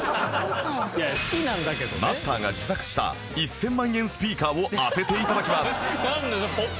マスターが自作した１０００万円スピーカーを当てて頂きます